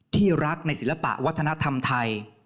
ที่รักในศิลปะวัฒนธรรมไทย